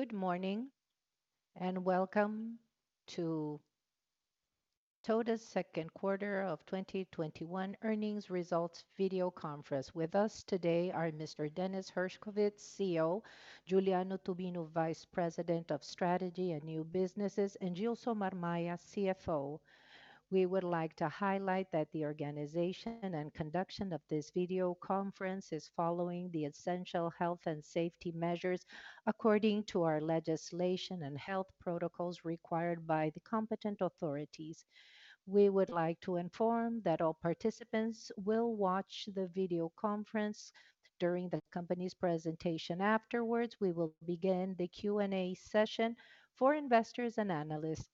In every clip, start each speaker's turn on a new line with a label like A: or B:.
A: Good morning, and welcome to TOTVS' second quarter of 2021 earnings results video conference. With us today are Mr. Dennis Herszkowicz, CEO, Juliano Tubino, Vice President of Strategy and New Businesses, and Gilsomar Maia, CFO. We would like to highlight that the organization and conduction of this video conference is following the essential health and safety measures according to our legislation and health protocols required by the competent authorities. We would like to inform that all participants will watch the video conference during the company's presentation. Afterwards, we will begin the Q&A session for investors and analysts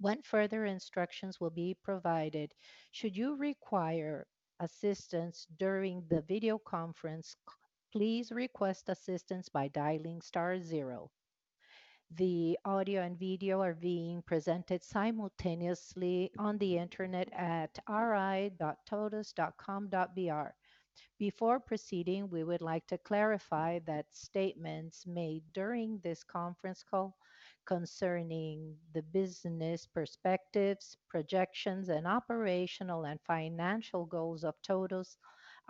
A: when further instructions will be provided. Should you require assistance during the video conference, please request assistance by dialing star zero. The audio and video are being presented simultaneously on the internet at ri.totvs.com.br. Before proceeding, we would like to clarify that statements made during this conference call concerning the business perspectives, projections, and operational and financial goals of TOTVS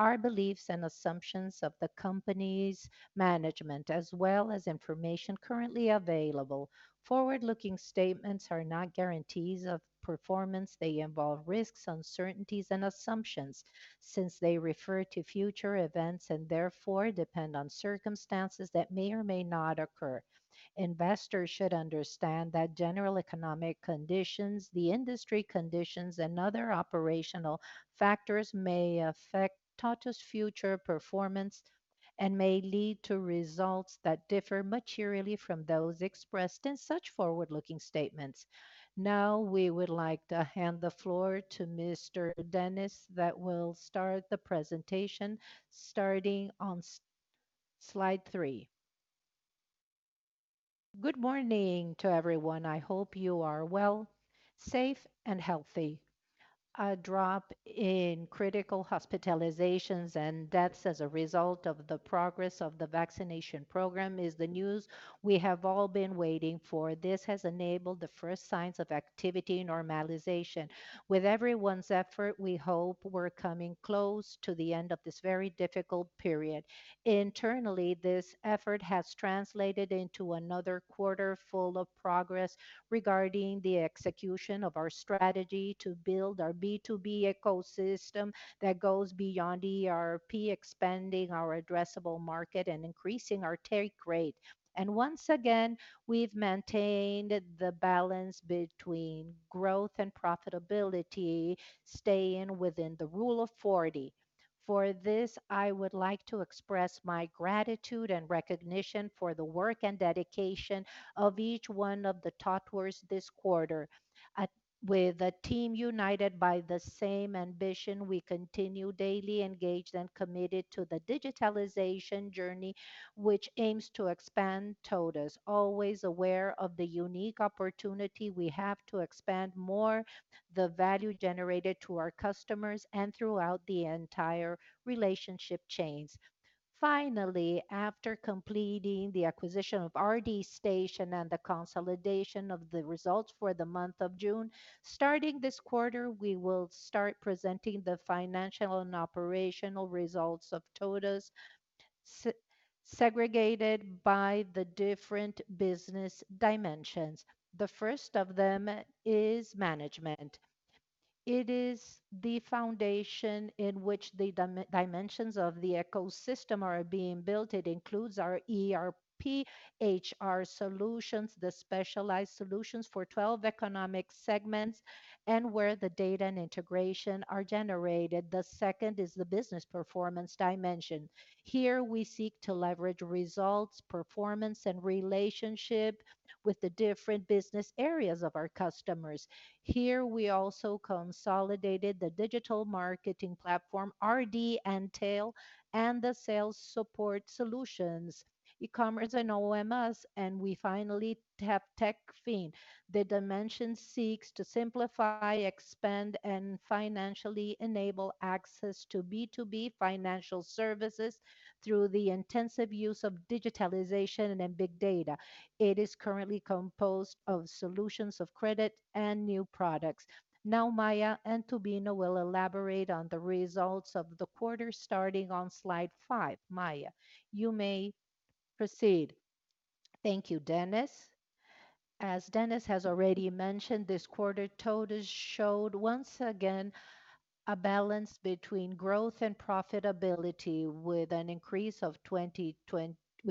A: are beliefs and assumptions of the company's management, as well as information currently available. Forward-looking statements are not guarantees of performance. They involve risks, uncertainties, and assumptions, since they refer to future events and therefore depend on circumstances that may or may not occur. Investors should understand that general economic conditions, the industry conditions, and other operational factors may affect TOTVS' future performance and may lead to results that differ materially from those expressed in such forward-looking statements. We would like to hand the floor to Mr. Dennis that will start the presentation starting on slide three.
B: Good morning to everyone. I hope you are well, safe, and healthy. A drop in critical hospitalizations and deaths as a result of the progress of the vaccination program is the news we have all been waiting for. This has enabled the first signs of activity normalization. With everyone's effort, we hope we're coming close to the end of this very difficult period. Internally, this effort has translated into another quarter full of progress regarding the execution of our strategy to build our B2B ecosystem that goes beyond ERP, expanding our addressable market and increasing our take rate. Once again, we've maintained the balance between growth and profitability, staying within the Rule of 40. For this, I would like to express my gratitude and recognition for the work and dedication of each one of the TOTVS this quarter. With a team united by the same ambition, we continue daily engaged and committed to the digitalization journey, which aims to expand TOTVS, always aware of the unique opportunity we have to expand more the value generated to our customers and throughout the entire relationship chains. Finally, after completing the acquisition of RD Station and the consolidation of the results for the month of June, starting this quarter, we will start presenting the financial and operational results of TOTVS segregated by the different business dimensions. The first of them is Management. It is the foundation in which the dimensions of the ecosystem are being built. It includes our ERP, HR solutions, the specialized solutions for 12 economic segments, and where the data and integration are generated. The second is the Business Performance Dimension. Here, we seek to leverage results, performance, and relationship with the different business areas of our customers. Here, we also consolidated the digital marketing platform, RD Station, and the sales support solutions, e-commerce and OMS, and we finally have Techfin. Dimension seeks to simplify, expand, and financially enable access to B2B financial services through the intensive use of digitalization and big data. It is currently composed of solutions of credit and new products. Now, Maia and Tubino will elaborate on the results of the quarter starting on slide five. Maia, you may proceed.
C: Thank you, Dennis. As Dennis has already mentioned, this quarter, TOTVS showed once again a balance between growth and profitability with a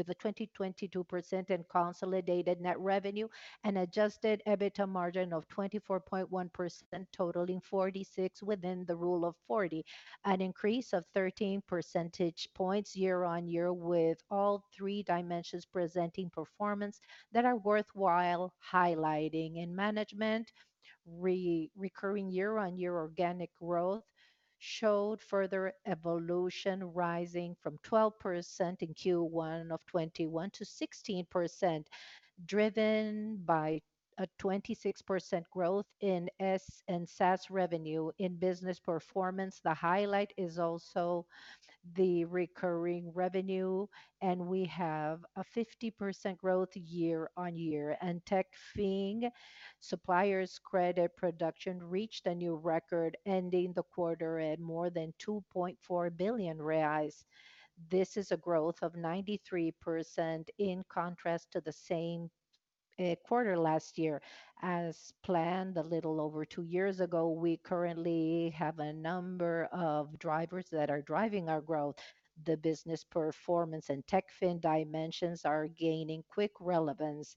C: 22% in consolidated net revenue and adjusted EBITDA margin of 24.1%, totaling 46% within the Rule of 40. An increase of 13 percentage points year-on-year with all three dimensions presenting performance that are worthwhile highlighting. In management, recurring year-on-year organic growth showed further evolution, rising from 12% in Q1 2021 to 16%, driven by a 26% growth in SaaS revenue. In business performance, the highlight is also the recurring revenue. We have a 50% growth year-on-year. Techfin Supplier credit production reached a new record, ending the quarter at more than 2.4 billion reais. This is a growth of 93% in contrast to the same quarter last year. As planned a little over two years ago, we currently have a number of drivers that are driving our growth. The business performance and Techfin dimensions are gaining quick relevance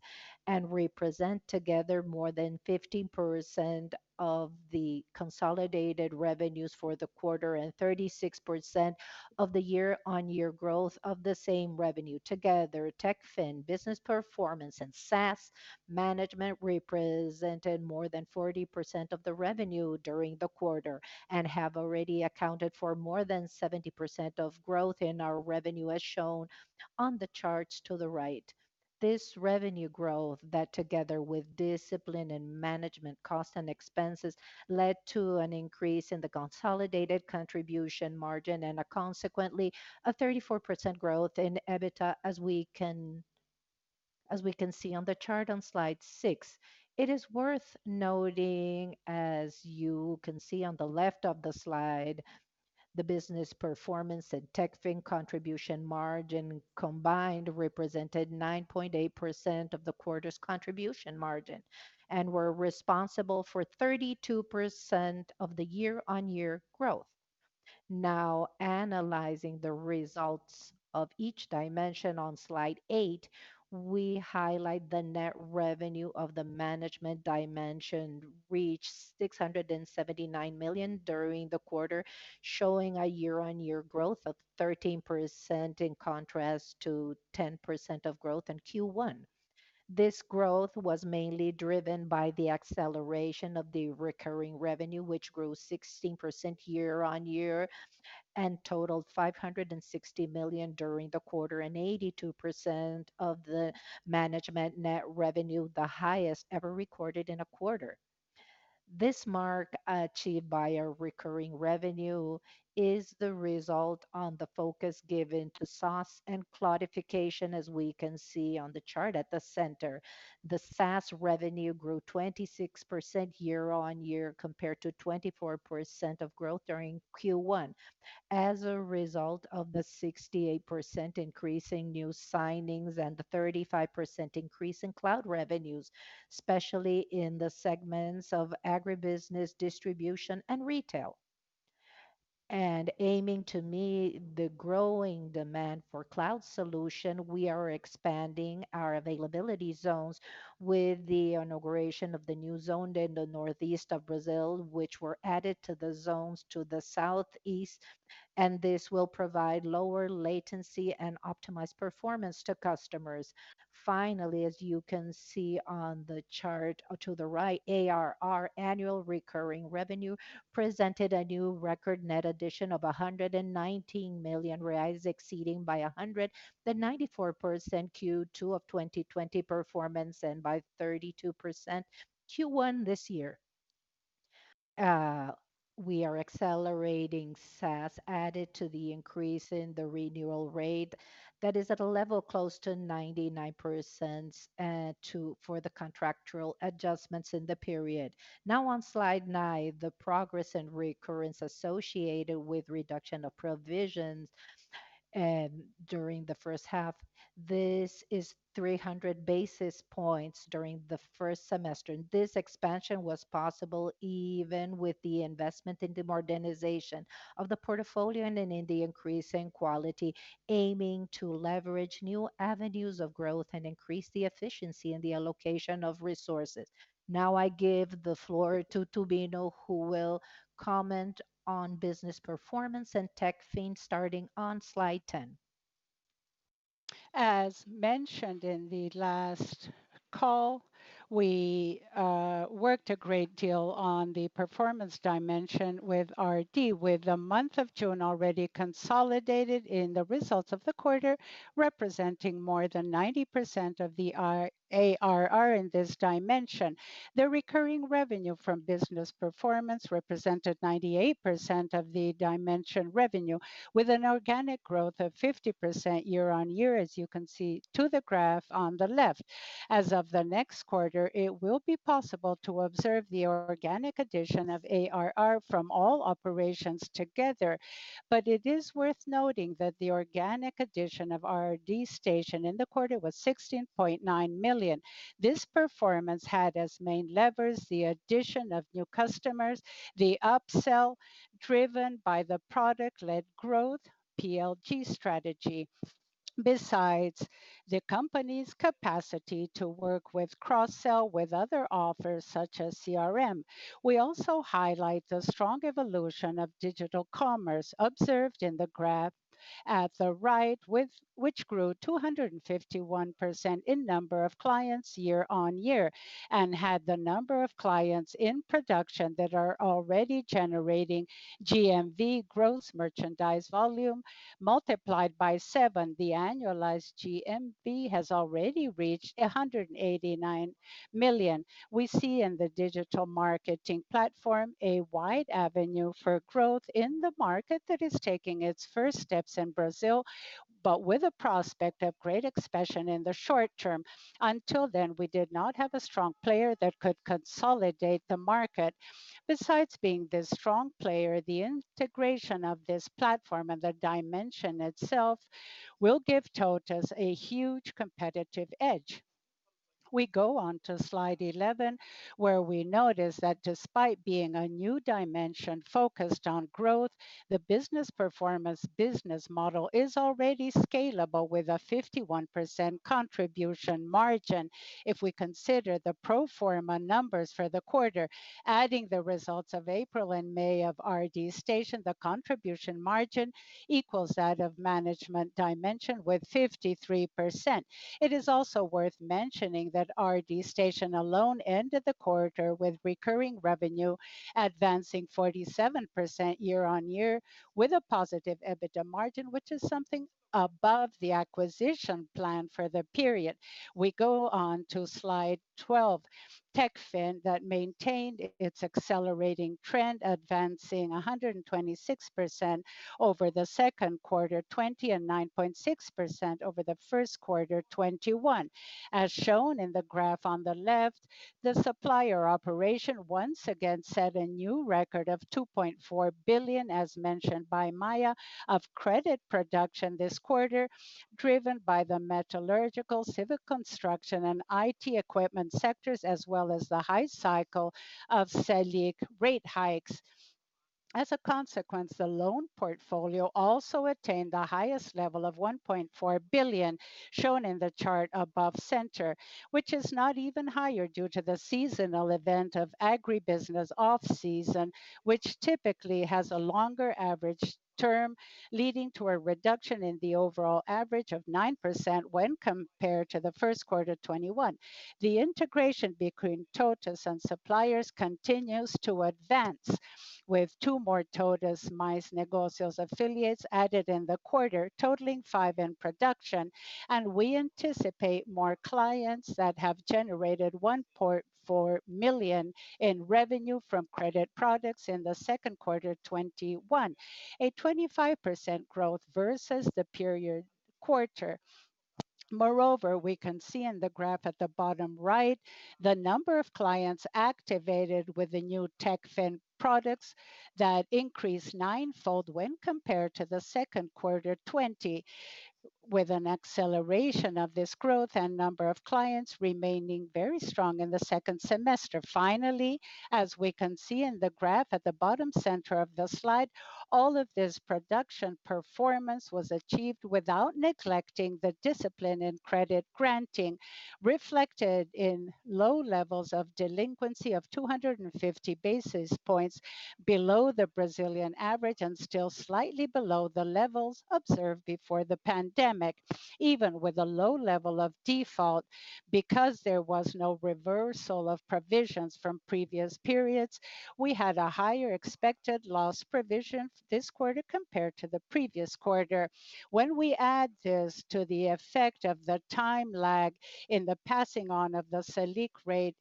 C: and represent together more than 50% of the consolidated revenues for the quarter and 36% of the year-on-year growth of the same revenue. Together, Techfin business performance and SaaS management represented more than 40% of the revenue during the quarter and have already accounted for more than 70% of growth in our revenue, as shown on the charts to the right. This revenue growth that together with discipline and management cost and expenses led to an increase in the consolidated contribution margin and consequently a 34% growth in EBITDA, as we can see on the chart on slide six. It is worth noting, as you can see on the left of the slide, the business performance and Techfin contribution margin combined represented 9.8% of the quarter's contribution margin and were responsible for 32% of the year-on-year growth. Now analyzing the results of each dimension on slide eight, we highlight the net revenue of the management dimension reached 679 million during the quarter, showing a year-on-year growth of 13%, in contrast to 10% of growth in Q1. This growth was mainly driven by the acceleration of the recurring revenue, which grew 16% year-on-year and totaled 560 million during the quarter, and 82% of the management net revenue, the highest ever recorded in a quarter. This mark achieved by our recurring revenue is the result on the focus given to SaaS and cloudification, as we can see on the chart at the center. The SaaS revenue grew 26% year-on-year compared to 24% of growth during Q1. As a result of the 68% increase in new signings and the 35% increase in cloud revenues, especially in the segments of agribusiness, distribution, and retail. Aiming to meet the growing demand for cloud solution, we are expanding our availability zones with the inauguration of the new zone in the Northeast of Brazil, which were added to the zones to the Southeast, and this will provide lower latency and optimized performance to customers. Finally, as you can see on the chart to the right, ARR, annual recurring revenue, presented a new record net addition of 119 million reais, exceeding by 194% Q2 2020 performance and by 32% Q1 this year. We are accelerating SaaS added to the increase in the renewal rate that is at a level close to 99% for the contractual adjustments in the period. On slide nine, the progress and recurrence associated with reduction of provisions during the first half. This is 300 basis points during the first semester. This expansion was possible even with the investment in the modernization of the portfolio and in the increase in quality, aiming to leverage new avenues of growth and increase the efficiency in the allocation of resources. Now I give the floor to Tubino, who will comment on business performance and Techfin starting on slide 10.
D: As mentioned in the last call, we worked a great deal on the performance dimension with RD, with the month of June already consolidated in the results of the quarter, representing more than 90% of the ARR in this dimension. The recurring revenue from business performance represented 98% of the dimension revenue, with an organic growth of 50% year-on-year, as you can see to the graph on the left. As of the next quarter, it will be possible to observe the organic addition of ARR from all operations together. It is worth noting that the organic addition of RD Station in the quarter was 16.9 million. This performance had as main levers the addition of new customers, the upsell driven by the product-led growth PLG strategy. Besides the company's capacity to work with cross-sell with other offers such as CRM. We also highlight the strong evolution of digital commerce observed in the graph at the right, which grew 251% in number of clients year-on-year and had the number of clients in production that are already generating GMV, gross merchandise volume, multiplied by seven. The annualized GMV has already reached 189 million. We see in the digital marketing platform a wide avenue for growth in the market that is taking its first steps in Brazil, but with a prospect of great expansion in the short term. Until then, we did not have a strong player that could consolidate the market. Besides being the strong player, the integration of this platform and the dimension itself will give TOTVS a huge competitive edge. We go on to slide 11, where we notice that despite being a new dimension focused on growth, the business performance business model is already scalable with a 51% contribution margin. If we consider the pro forma numbers for the quarter, adding the results of April and May of RD Station, the contribution margin equals that of management dimension with 53%. It is also worth mentioning that RD Station alone ended the quarter with recurring revenue advancing 47% year-on-year with a positive EBITDA margin, which is something above the acquisition plan for the period. We go on to slide 12. Techfin maintained its accelerating trend, advancing 126% over the second quarter 2020, and 9.6% over the first quarter 2021. As shown in the graph on the left, the Supplier operation once again set a new record of 2.4 billion, as mentioned by Maia, of credit production this quarter, driven by the metallurgical, civil construction, and IT equipment sectors, as well as the high cycle of Selic rate hikes. As a consequence, the loan portfolio also attained the highest level of 1.4 billion, shown in the chart above center, which is not even higher due to the seasonal event of agribusiness off-season, which typically has a longer average term, leading to a reduction in the overall average of 9% when compared to the first quarter 2021. The integration between TOTVS and Supplier continues to advance with two more TOTVS Mais Negócios affiliates added in the quarter, totaling five in production, and we anticipate more clients that have generated 1.4 million in revenue from credit products in the second quarter 2021, a 25% growth versus the previous quarter. Moreover, we can see in the graph at the bottom right the number of clients activated with the new Techfin products that increased ninefold when compared to the second quarter 2020, with an acceleration of this growth and number of clients remaining very strong in the second semester. Finally, as we can see in the graph at the bottom center of the slide, all of this production performance was achieved without neglecting the discipline in credit granting, reflected in low levels of delinquency of 250 basis points below the Brazilian average and still slightly below the levels observed before the pandemic. Even with a low level of default, because there was no reversal of provisions from previous periods, we had a higher expected loss provision this quarter compared to the previous quarter. When we add this to the effect of the time lag in the passing on of the Selic rate,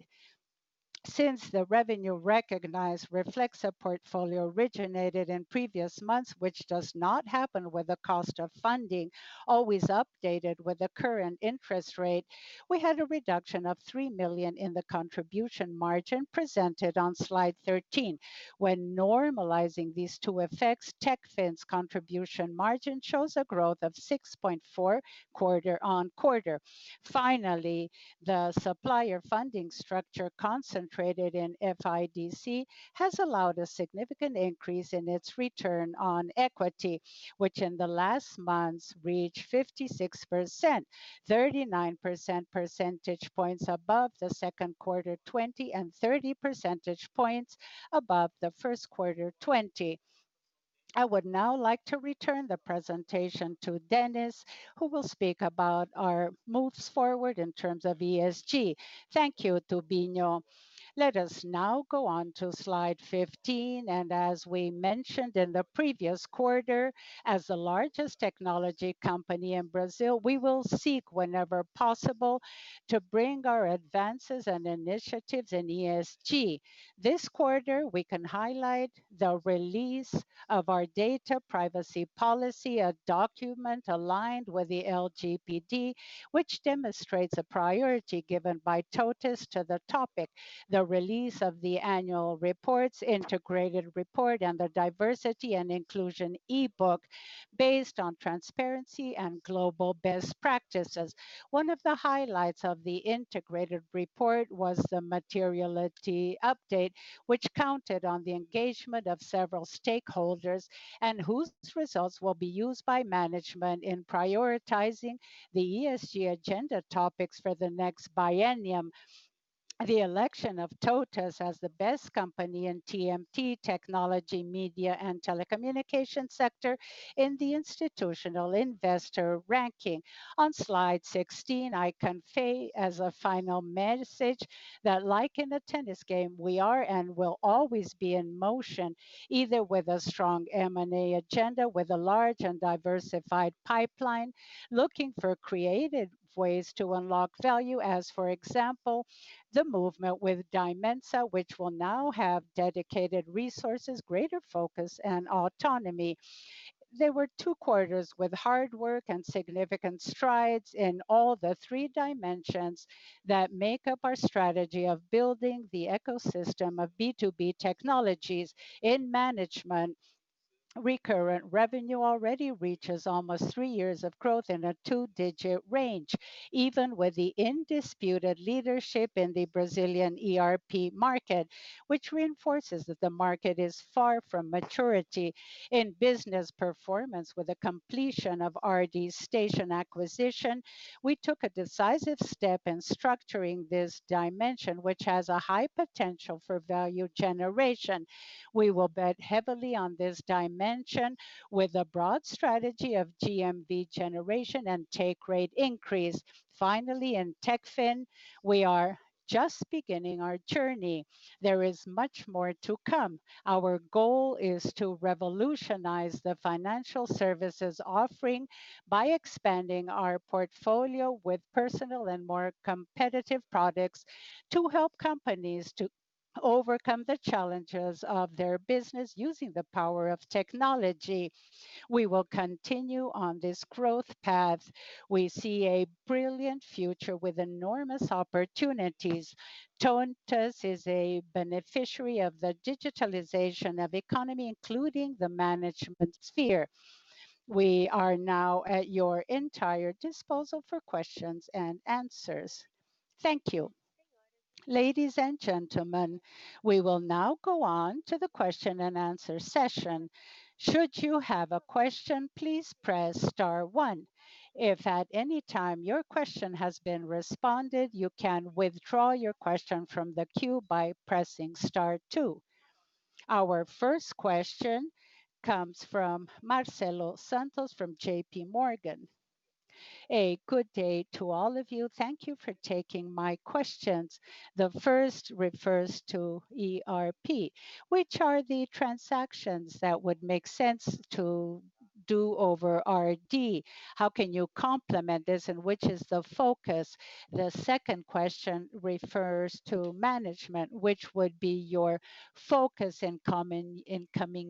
D: since the revenue recognized reflects a portfolio originated in previous months, which does not happen with the cost of funding always updated with the current interest rate, we had a reduction of 3 million in the contribution margin presented on slide 13. When normalizing these two effects, Techfin's contribution margin shows a growth of 6.4% quarter-on-quarter. Finally, the Supplier funding structure concentrated in FIDC has allowed a significant increase in its return on equity, which in the last months reached 56%, 39 percentage points above the second quarter 2020, and 30 percentage points above the first quarter 2020. I would now like to return the presentation to Dennis, who will speak about our moves forward in terms of ESG.
B: Thank you, Tubino. Let us now go on to slide 15. As we mentioned in the previous quarter, as the largest technology company in Brazil, we will seek whenever possible to bring our advances and initiatives in ESG. This quarter, we can highlight the release of our data privacy policy, a document aligned with the LGPD, which demonstrates a priority given by TOTVS to the topic. The release of the annual reports, integrated report, and the diversity and inclusion e-book based on transparency and global best practices. One of the highlights of the integrated report was the materiality update, which counted on the engagement of several stakeholders and whose results will be used by management in prioritizing the ESG agenda topics for the next biennium. The election of TOTVS as the best company in TMT, technology, media, and telecommunication sector in the Institutional Investor ranking. On slide 16, I convey as a final message that like in a tennis game, we are and will always be in motion, either with a strong M&A agenda, with a large and diversified pipeline, looking for creative ways to unlock value as, for example, the movement with Dimensa, which will now have dedicated resources, greater focus, and autonomy. They were two quarters with hard work and significant strides in all the three dimensions that make up our strategy of building the ecosystem of B2B technologies in management. Recurrent revenue already reaches almost three years of growth in a two-digit range, even with the undisputed leadership in the Brazilian ERP market, which reinforces that the market is far from maturity in business performance. With the completion of RD Station acquisition, we took a decisive step in structuring this dimension, which has a high potential for value generation. We will bet heavily on this dimension with a broad strategy of GMV generation and take rate increase. Finally, in Techfin, we are just beginning our journey. There is much more to come. Our goal is to revolutionize the financial services offering by expanding our portfolio with personal and more competitive products to help companies to overcome the challenges of their business using the power of technology. We will continue on this growth path. We see a brilliant future with enormous opportunities. TOTVS is a beneficiary of the digitalization of economy, including the management sphere. We are now at your entire disposal for questions and answers.
A: Thank you. Ladies and gentlemen, we will now go on to the question and answer session. Should you have a question, please press star one. If at any time your question has been responded, you can withdraw your question from the queue by pressing star two. Our first question comes from Marcelo Santos from JPMorgan.
E: A good day to all of you. Thank you for taking my questions. The first refers to ERP. Which are the transactions that would make sense to do over RD? Which is the focus? The second question refers to management. Which would be your focus in coming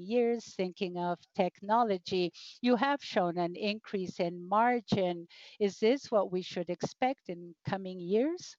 E: years, thinking of technology? You have shown an increase in margin. Is this what we should expect in coming years?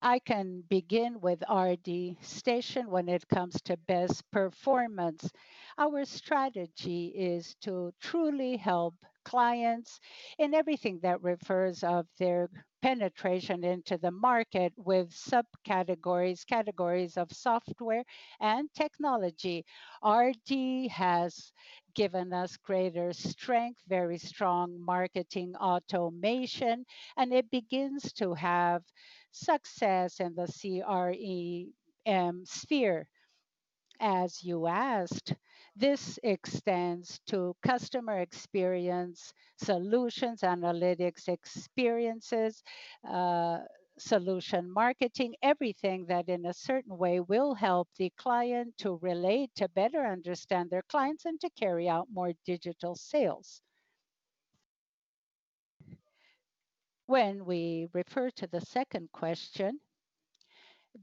D: I can begin with RD Station when it comes to best performance. Our strategy is to truly help clients in everything that refers to their penetration into the market with subcategories, categories of software and technology. RD has given us greater strength, very strong marketing automation, and it begins to have success in the CRM sphere. As you asked, this extends to customer experience solutions, analytics experiences, solution marketing, everything that, in a certain way, will help the client to relate, to better understand their clients, and to carry out more digital sales.
C: When we refer to the second question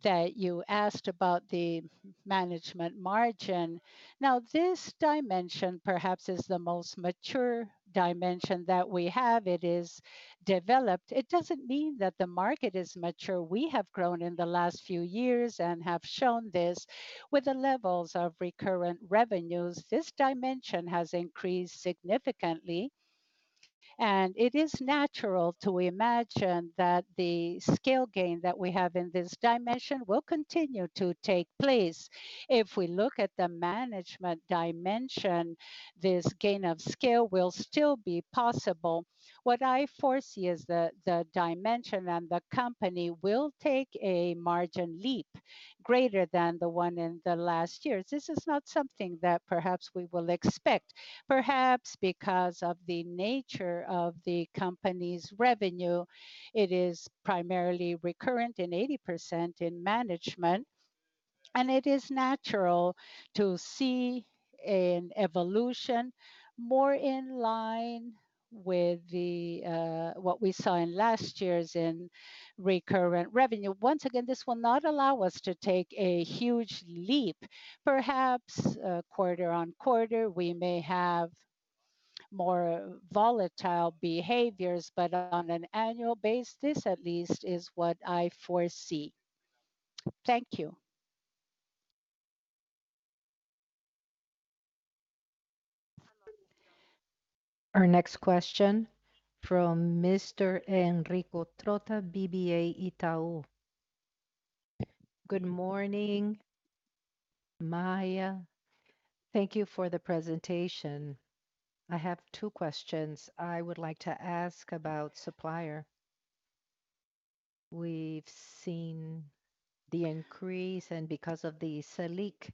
C: that you asked about the management margin. Now, this dimension perhaps is the most mature dimension that we have. It is developed. It doesn't mean that the market is mature. We have grown in the last few years and have shown this with the levels of recurrent revenues. This dimension has increased significantly, and it is natural to imagine that the scale gain that we have in this dimension will continue to take place. If we look at the management dimension, this gain of scale will still be possible. What I foresee is the dimension and the company will take a margin leap greater than the one in the last years. This is not something that perhaps we will expect. Perhaps because of the nature of the company's revenue, it is primarily recurrent in 80% in management, and it is natural to see an evolution more in line with what we saw in last years in recurrent revenue. Once again, this will not allow us to take a huge leap. Perhaps quarter-on-quarter, we may have more volatile behaviors, but on an annual basis, at least, is what I foresee.
E: Thank you.
A: Our next question from Mr. Enrico Trotta, Itaú BBA.
F: Good morning, Maia. Thank you for the presentation. I have two questions. I would like to ask about Supplier. We've seen the increase and because of the Selic,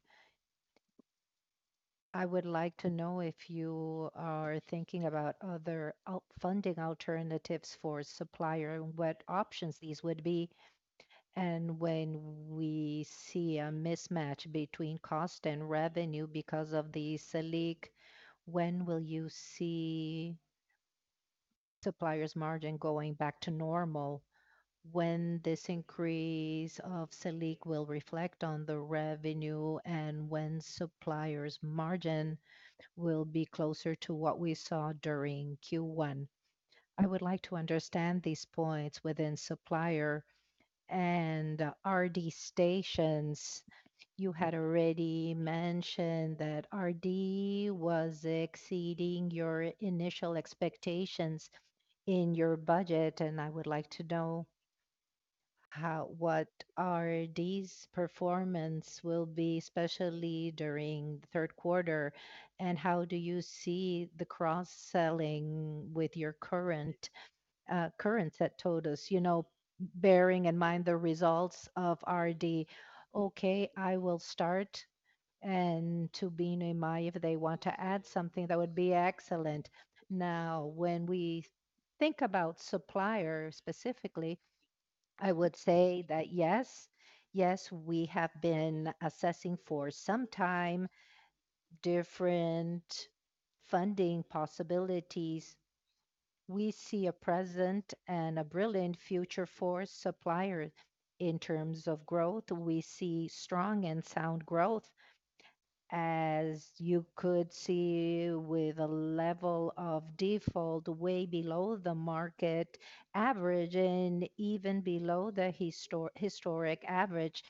F: I would like to know if you are thinking about other funding alternatives for Supplier, what options these would be. When we see a mismatch between cost and revenue because of the Selic, when will you see Supplier's margin going back to normal when this increase of Selic will reflect on the revenue, and when Supplier's margin will be closer to what we saw during Q1? I would like to understand these points within Supplier and RD Station. You had already mentioned that RD was exceeding your initial expectations in your budget, and I would like to know what RD's performance will be, especially during the third quarter, and how do you see the cross-selling with your current at TOTVS, bearing in mind the results of RD.
B: Okay, I will start, and Tubino and Maia, if they want to add something, that would be excellent. Now, when we think about Supplier specifically, I would say that yes, we have been assessing for some time different funding possibilities. We see a present and a brilliant future for Supplier in terms of growth. We see strong and sound growth. As you could see, with a level of default way below the market average and even below the historic average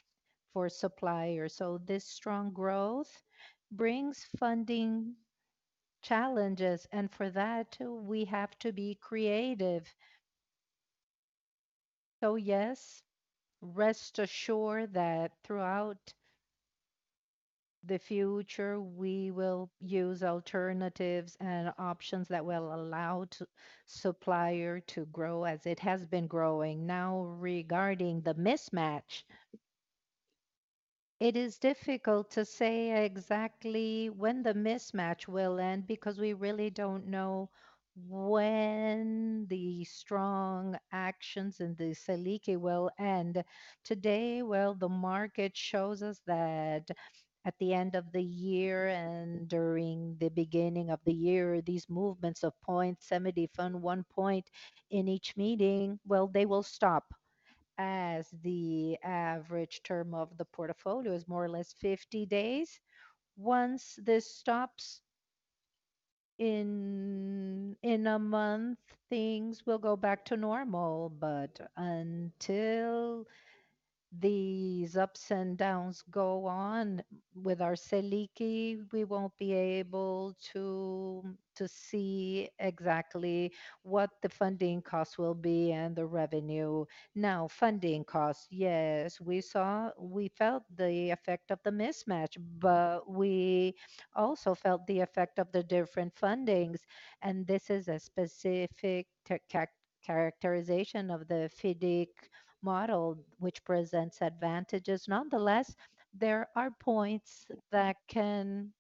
B: for Supplier. This strong growth brings funding challenges, and for that, we have to be creative. Yes, rest assured that throughout the future, we will use alternatives and options that will allow Supplier to grow as it has been growing. Regarding the mismatch, it is difficult to say exactly when the mismatch will end, because we really don't know when the strong actions in the Selic will end. Today, well, the market shows us that at the end of the year and during the beginning of the year, these movements of 0.75, one point in each meeting, well, they will stop. As the average term of the portfolio is more or less 50 days. Once this stops, in a month, things will go back to normal. Until these ups and downs go on with our Selic, we won't be able to see exactly what the funding costs will be and the revenue. Funding costs, yes. We felt the effect of the mismatch, but we also felt the effect of the different fundings, and this is a specific characterization of the FIDC model, which presents advantages. Nonetheless, there are points that can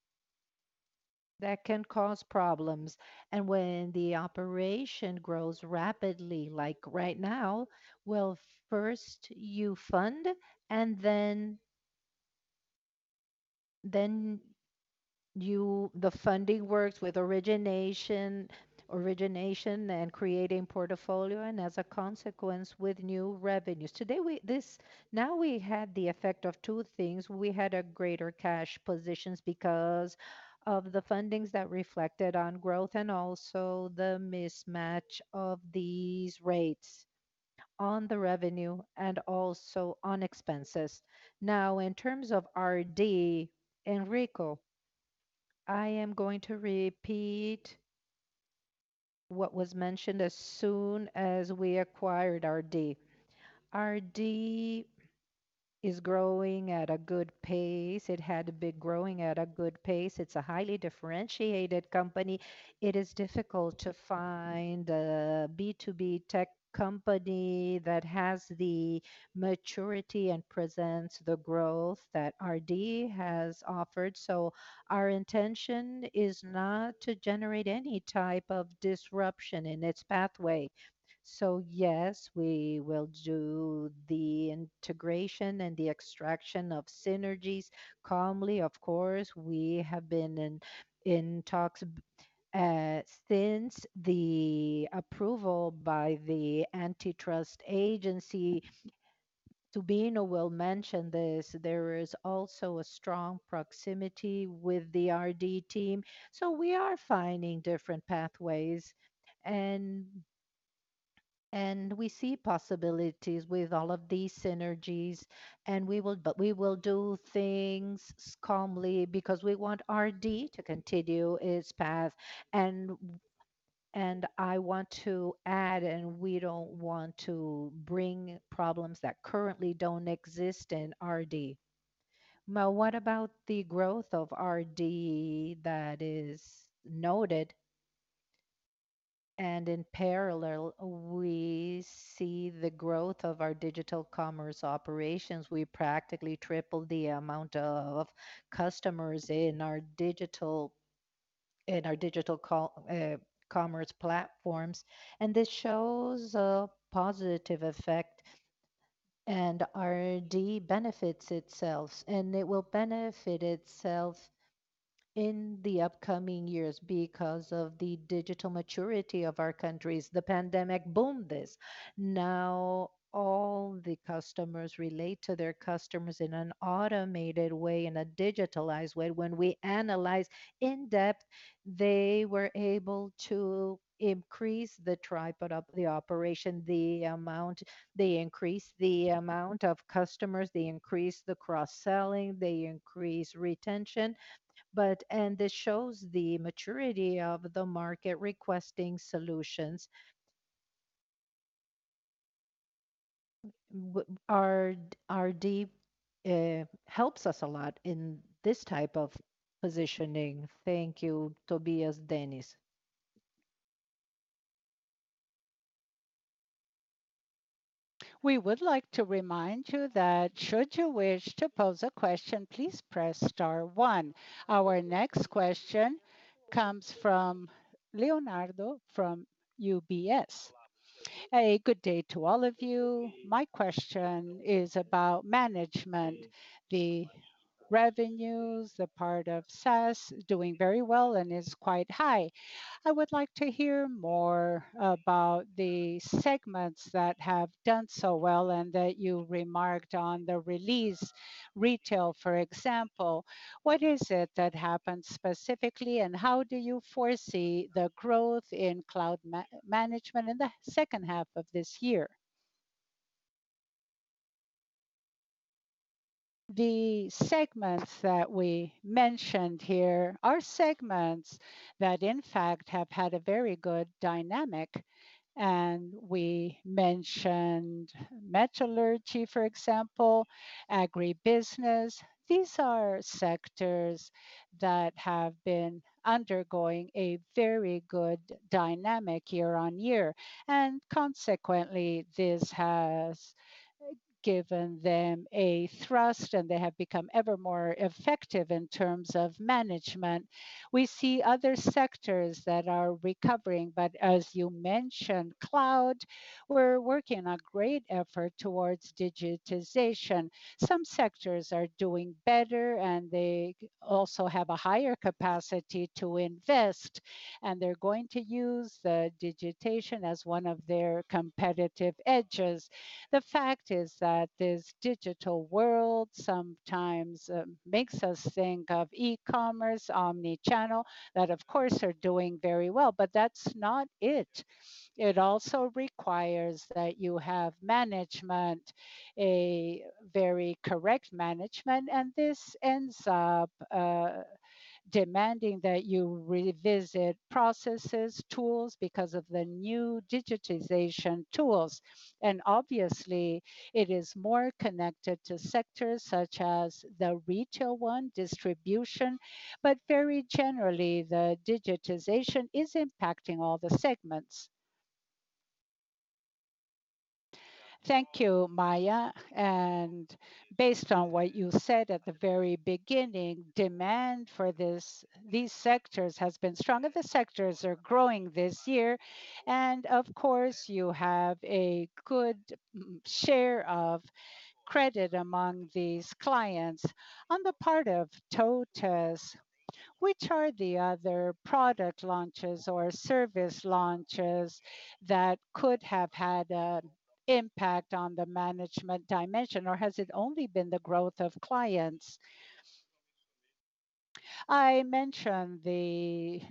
B: cause problems, and when the operation grows rapidly like right now, well, first you fund and then the funding works with origination and creating portfolio, and as a consequence, with new revenues. Now we had the effect of two things. We had a greater cash position because of the fundings that reflected on growth and also the mismatch of these rates on the revenue and also on expenses. Now, in terms of RD, Enrico, I am going to repeat what was mentioned as soon as we acquired RD. RD is growing at a good pace. It had been growing at a good pace. It's a highly differentiated company. It is difficult to find a B2B tech company that has the maturity and presents the growth that RD has offered. Our intention is not to generate any type of disruption in its pathway. Yes, we will do the integration and the extraction of synergies calmly, of course. We have been in talks since the approval by the antitrust agency. Tubino will mention this. There is also a strong proximity with the RD team. We are finding different pathways, and we see possibilities with all of these synergies. We will do things calmly because we want RD to continue its path. I want to add, and we don't want to bring problems that currently don't exist in RD.
F: Now, what about the growth of RD that is noted?
D: In parallel, we see the growth of our digital commerce operations. We practically tripled the amount of customers in our digital commerce platforms, and this shows a positive effect, and RD benefits itself, and it will benefit itself in the upcoming years, because of the digital maturity of our countries, the pandemic boom this. Now all the customers relate to their customers in an automated way, in a digitalized way. When we analyze in depth, they were able to increase the tripod of the operation, they increase the amount of customers, they increase the cross-selling, they increase retention. This shows the maturity of the market requesting solutions. RD helps us a lot in this type of positioning.
F: Thank you, Tubino, Dennis.
A: We would like to remind you that should you wish to pose a question, please press star one. Our next question comes from Leonardo from UBS.
G: A good day to all of you. My question is about management. The revenues, the part of SaaS, doing very well and is quite high. I would like to hear more about the segments that have done so well and that you remarked on the release. Retail, for example, what is it that happened specifically, and how do you foresee the growth in cloud management in the second half of this year?
C: The segments that we mentioned here are segments that, in fact, have had a very good dynamic. We mentioned metallurgy, for example, agribusiness. These are sectors that have been undergoing a very good dynamic year-over-year, and consequently, this has given them a thrust, and they have become ever more effective in terms of management. We see other sectors that are recovering, as you mentioned, cloud, we're working a great effort towards digitization. Some sectors are doing better, they also have a higher capacity to invest, and they're going to use the digitization as one of their competitive edges. The fact is that this digital world sometimes makes us think of e-commerce, omnichannel, that of course, are doing very well, that's not it. It also requires that you have management, a very correct management, and this ends up demanding that you revisit processes, tools, because of the new digitization tools. Obviously, it is more connected to sectors such as the retail one, distribution. Very generally, the digitization is impacting all the segments.
G: Thank you, Maia. Based on what you said at the very beginning, demand for these sectors has been strong, and the sectors are growing this year. Of course, you have a good share of credit among these clients. On the part of TOTVS, which are the other product launches or service launches that could have had an impact on the management dimension, or has it only been the growth of clients?
B: I mentioned the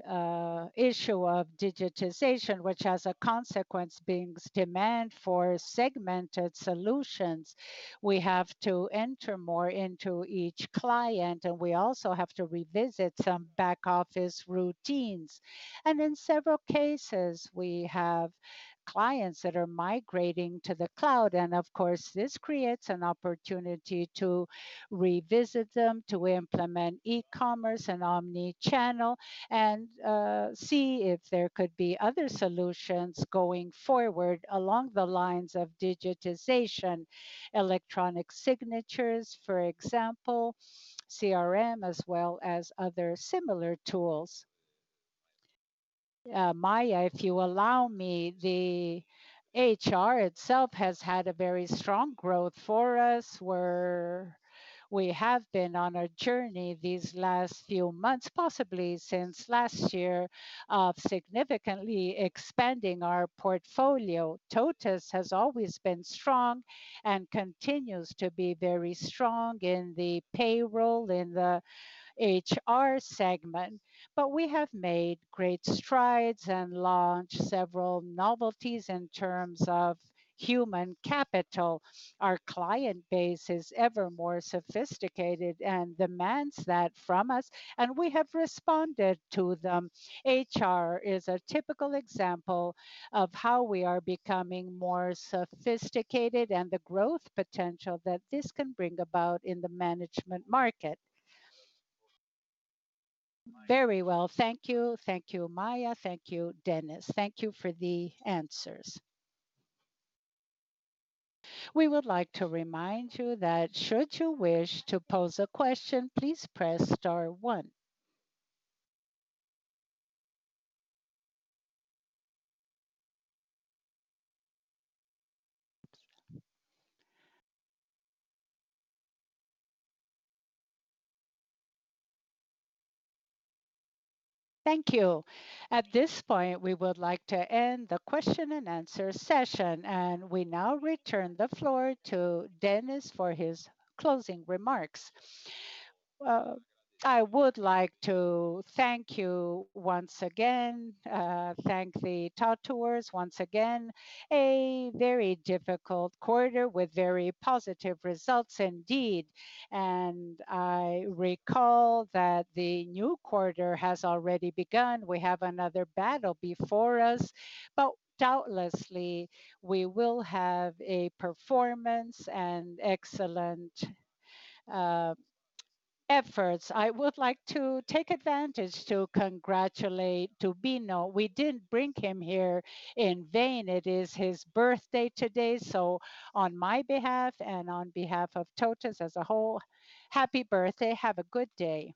B: issue of digitization, which has a consequence being demand for segmented solutions. We have to enter more into each client, and we also have to revisit some back-office routines. In several cases, we have clients that are migrating to the cloud, and of course, this creates an opportunity to revisit them, to implement e-commerce and omnichannel, and see if there could be other solutions going forward along the lines of digitization, electronic signatures, for example, CRM, as well as other similar tools. Maia, if you allow me, the HR itself has had a very strong growth for us, where we have been on a journey these last few months, possibly since last year, of significantly expanding our portfolio. TOTVS has always been strong and continues to be very strong in the payroll, in the HR segment. We have made great strides and launched several novelties in terms of human capital. Our client base is ever more sophisticated and demands that from us, and we have responded to them. HR is a typical example of how we are becoming more sophisticated and the growth potential that this can bring about in the management market.
G: Very well. Thank you. Thank you, Maia. Thank you, Dennis. Thank you for the answers.
A: We would like to remind you that should you wish to pose a question, please press star one. Thank you. At this point, we would like to end the question and answer session, and we now return the floor to Dennis for his closing remarks.
B: I would like to thank you once again, thank the TOTVS once again. A very difficult quarter with very positive results indeed. I recall that the new quarter has already begun. We have another battle before us. Doubtlessly, we will have a performance and excellent efforts. I would like to take advantage to congratulate Tubino. We didn't bring him here in vain. It is his birthday today. On my behalf and on behalf of TOTVS as a whole, happy birthday. Have a good day.